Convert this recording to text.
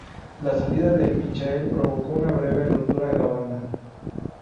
La salida de Michael provocó una breve ruptura en la banda.